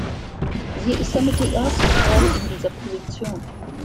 Sie ist damit die erste Frau in dieser Position.